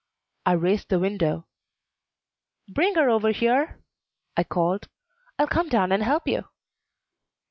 I raised the window. "Bring her over here," I called. "I'll come down and help you."